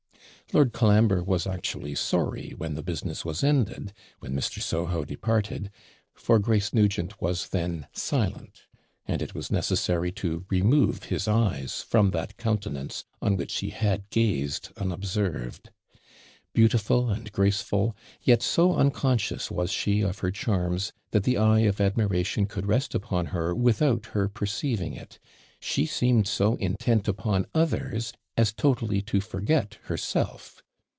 Lord Colambre was actually sorry when the business was ended when Mr. Soho departed for Grace Nugent was then silent; and it was necessary to remove his eyes from that countenance, on which he had gazed unobserved. Beautiful and graceful, yet so unconscious was she of her charms, that the eye of admiration could rest upon her without her perceiving it she seemed so intent upon others as totally to forget herself.